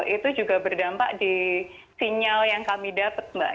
itu juga berdampak di sinyal yang kami dapat mbak